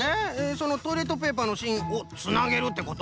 そのトイレットペーパーのしんをつなげるってこと？